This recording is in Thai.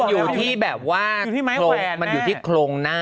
มันอยู่ที่แบบว่ามันอยู่ที่โครงหน้า